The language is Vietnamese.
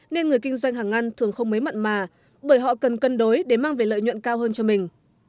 nên người kinh doanh hàng ăn thường không mấy mặn mà bởi họ cần cân đối để mang về lợi nhuận cao hơn cho mình